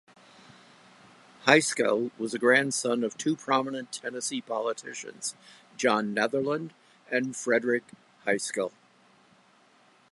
Heiskell was a grandson of two prominent Tennessee politicians, John Netherland and Frederick Heiskell.